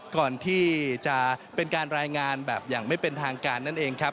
ก่อนที่จะเป็นการรายงานแบบอย่างไม่เป็นทางการนั่นเองครับ